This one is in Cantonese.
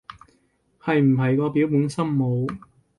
係唔係個表本身冇